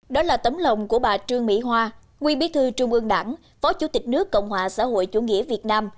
đó là tấm lòng của bà trương mỹ hoa nguyên bí thư trung ương đảng phó chủ tịch nước cộng hòa xã hội chủ nghĩa việt nam